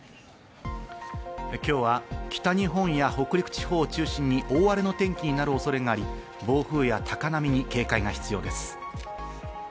今日は北日本や北陸地方を中心に大荒れの天気になる恐れがあり、暴風や高波に警戒が必要です。